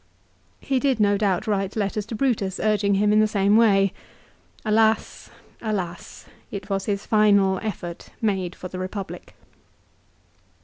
He did no doubt write letters to Brutus urging him in the same way. Alas, alas ! It was his final effort made for the Republic.